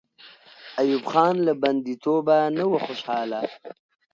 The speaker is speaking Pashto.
ایوب خان له بندي توبه نه وو خوشحاله.